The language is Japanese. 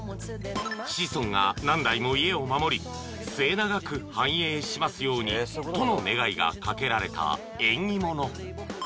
［子孫が何代も家を守り末永く繁栄しますようにとの願いがかけられた縁起物］